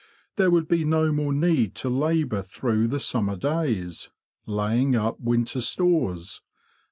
There would be no more need to labour through the summer days, laying up winter stores.